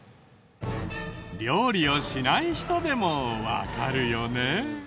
料理をしない人でもわかるよね？